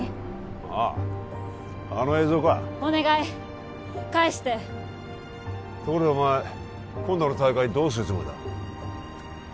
あああの映像かお願い返してところでお前今度の大会どうするつもりだ